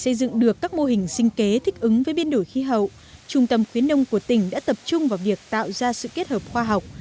xây dựng được các mô hình sinh kế thích ứng với biến đổi khí hậu trung tâm khuyến nông của tỉnh đã tập trung vào việc tạo ra sự kết hợp khoa học